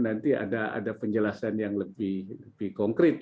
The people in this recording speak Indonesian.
nanti ada penjelasan yang lebih konkret